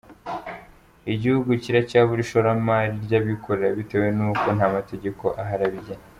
Igihugu kiracyabura ishoramari ry’abikorera bitewe nuko nta mategeko ahari abigena.